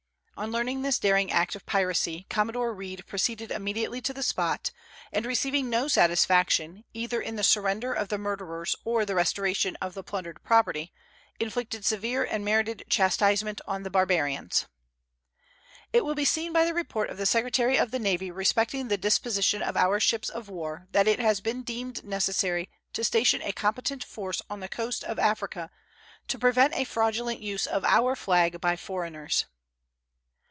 On learning this daring act of piracy, Commodore Reed proceeded immediately to the spot, and receiving no satisfaction, either in the surrender of the murderers or the restoration of the plundered property, inflicted severe and merited chastisement on the barbarians. It will be seen by the report of the Secretary of the Navy respecting the disposition of our ships of war that it has been deemed necessary to station a competent force on the coast of Africa to prevent a fraudulent use of our flag by foreigners.